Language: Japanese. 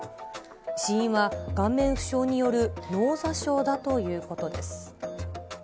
死因は顔面負傷による脳挫傷だということです。